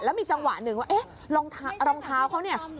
มีจังหวะหนึ่งว่าเอ๊ะรองเท้าเขาเนี่ย